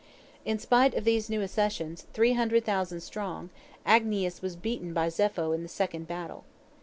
In spite of these new accessions, three hundred thousand strong, Agnias was beaten again by Zepho in the second battle.